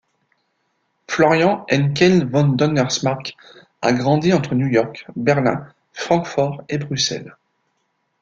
Florian Henckel von Donnersmarck a grandi entre New York, Berlin, Francfort et Bruxelles.